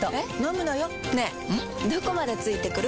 どこまで付いてくる？